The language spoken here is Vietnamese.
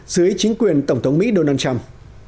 dưới chính quyền tổng thống mỹ donald trump